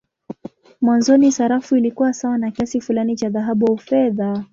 Mwanzoni sarafu ilikuwa sawa na kiasi fulani cha dhahabu au fedha.